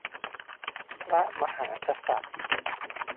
พระมหากษัตริย์